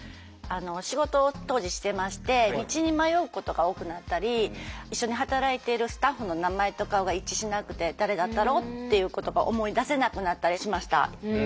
仕事を当時してまして道に迷うことが多くなったり一緒に働いているスタッフの名前と顔が一致しなくて誰だったろうっていうことが思い出せなくなったりしました。